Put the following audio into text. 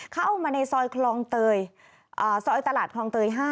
เข้ามาในซอยตลาดคลองเตย๕